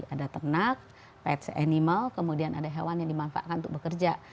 ada ternak pets animal kemudian ada hewan yang dimanfaatkan untuk bekerja